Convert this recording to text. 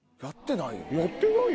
やってないよ。